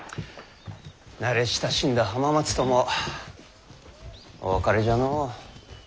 慣れ親しんだ浜松ともお別れじゃのう。